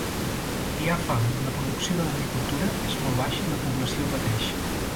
Hi ha fam, la producció de l'agricultura és molt baixa i la població pateix.